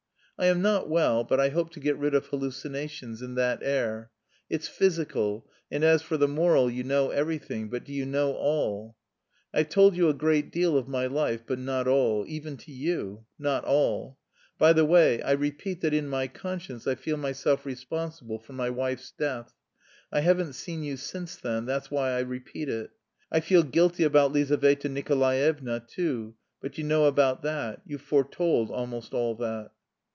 "I am not well, but I hope to get rid of hallucinations in that air. It's physical, and as for the moral you know everything; but do you know all? "I've told you a great deal of my life, but not all. Even to you! Not all. By the way, I repeat that in my conscience I feel myself responsible for my wife's death. I haven't seen you since then, that's why I repeat it. I feel guilty about Lizaveta Nikolaevna too; but you know about that; you foretold almost all that.